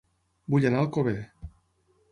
Vull anar a Alcover